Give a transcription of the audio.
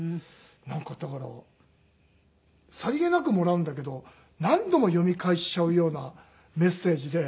なんかだからさりげなくもらうんだけど何度も読み返しちゃうようなメッセージで。